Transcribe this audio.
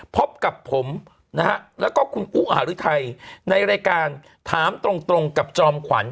พบกับผมนะฮะแล้วก็คุณอุหาริไทยในรายการถามตรงกับจอมขวัญ